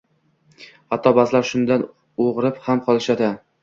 Hatto baʼzilari shundan ogʻrib ham qolishadi